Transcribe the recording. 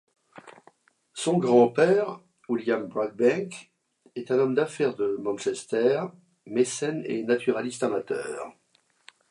Son grand-père, William Brockbank, est un homme d'affaires de Manchester, mécène et naturaliste amateur.